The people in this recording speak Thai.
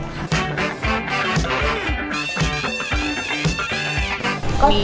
มีโฆษณาค่ะ